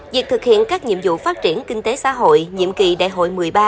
việc thực hiện các nhiệm vụ phát triển kinh tế xã hội nhiệm kỳ đại hội một mươi ba